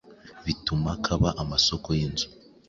bituma kaba amasoko y’inzuzi.